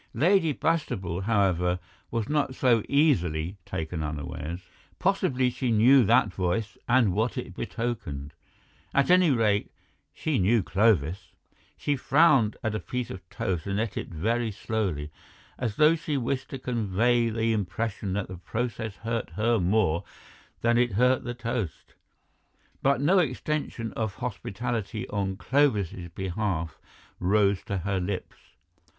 Lady Bastable, however, was not so easily taken unawares; possibly she knew that voice and what it betokened—at any rate, she knew Clovis. She frowned at a piece of toast and ate it very slowly, as though she wished to convey the impression that the process hurt her more than it hurt the toast; but no extension of hospitality on Clovis's behalf rose to her lips.